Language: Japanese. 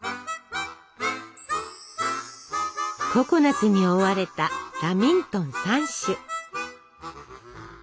ココナツに覆われたラミントン３種。